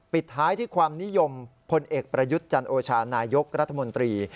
ปิดท้ายที่ความนิยมพลเอกประยุทธ์จันโอชานายกรัฐมนตรี